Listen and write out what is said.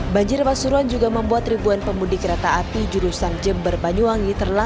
banjir pasuruan juga membuat ribuan pemudik kereta api jurusan jember banyuwangi